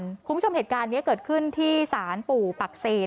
คุณผู้ชมเหตุการณ์นี้เกิดขึ้นที่ศาลปู่ปักเซน